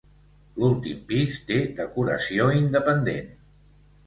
L'últim pis té decoració independent.